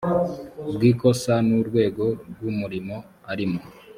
bw ikosa n urwego rw umurimo arimo